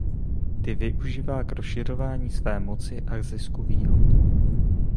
Ty využívá k rozšiřování své moci a zisku výhod.